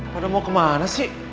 pada mau kemana sih